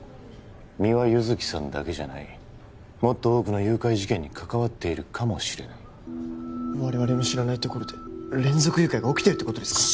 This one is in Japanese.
三輪優月さんだけじゃないもっと多くの誘拐事件に関わっているかもしれない我々の知らないところで連続誘拐が起きてるってことですか？